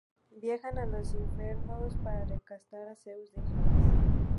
Viajan a los infiernos para rescatar a Zeus de Hades.